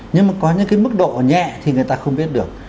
nhưng mà có những cái mức độ nhẹ thì người ta không biết được